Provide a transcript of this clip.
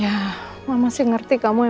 gak ada yang mau berbicara